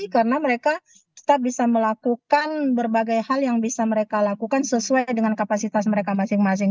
karena mereka bisa melakukan berbagai hal yang bisa mereka lakukan sesuai dengan kapasitas mereka masing masing